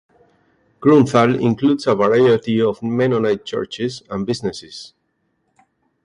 Grunthal includes a variety of Mennonite churches, and businesses.